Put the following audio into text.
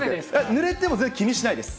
ぬれても気にしないです。